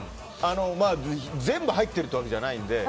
全部入ってるってわけじゃないので。